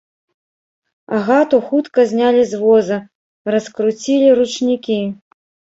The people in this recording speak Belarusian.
Агату хутка знялі з воза, раскруцілі ручнікі.